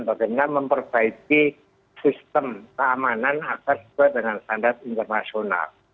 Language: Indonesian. bagaimana memperbaiki sistem keamanan agar sesuai dengan standar internasional